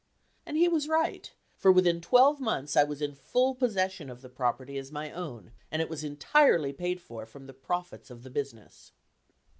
And he was right, for within twelve months I was in full possession of the property as my own and it was entirely paid for from the profits of the business.